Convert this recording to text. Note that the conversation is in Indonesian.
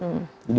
di mana dia di